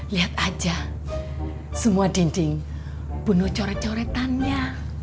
lihat aja semua dinding bunuh coret coretannya